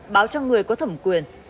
một mươi một báo cho người có thẩm quyền